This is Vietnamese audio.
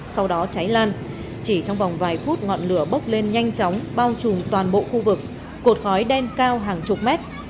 sau đó cháy lan chỉ trong vòng vài phút ngọn lửa bốc lên nhanh chóng bao trùm toàn bộ khu vực cột khói đen cao hàng chục mét